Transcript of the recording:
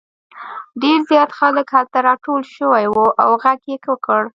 ډېر زیات خلک هلته راټول شوي وو او غږ یې وکړ.